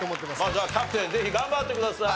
じゃあキャプテンぜひ頑張ってください。